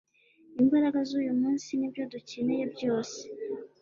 imbaraga zuyu munsi nibyo dukeneye byose